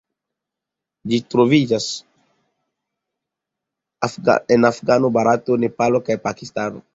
Ĝi troviĝas en Afganio, Barato, Nepalo kaj Pakistano.